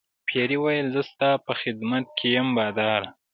پیري وویل زه ستا په خدمت کې یم باداره.